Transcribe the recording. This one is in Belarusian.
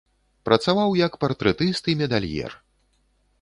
Працаваў як партрэтыст і медальер.